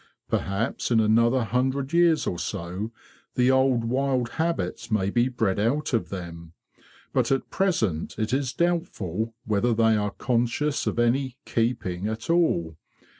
Perhaps in another hundred years or so the old wild habits may be bred out of them; but at present it is doubtful whether they are conscious of any 'keeping' at all.